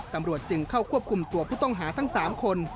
ตำรวจจึงเข้าควบคุมตัวผู้ต้องหาทั้ง๓คน